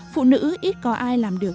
phụ nữ ít có ai làm được